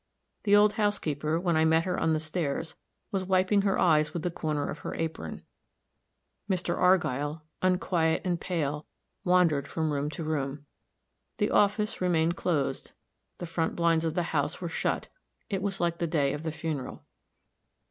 The old housekeeper, when I met her on the stairs, was wiping her eyes with the corner of her apron. Mr. Argyll, unquiet and pale, wandered from room to room. The office remained closed; the front blinds of the house were shut it was like the day of the funeral.